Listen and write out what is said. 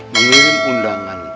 menirim undangan itu sunnah